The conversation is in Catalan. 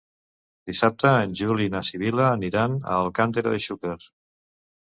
Dissabte en Juli i na Sibil·la aniran a Alcàntera de Xúquer.